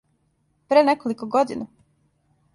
Пре неколико година?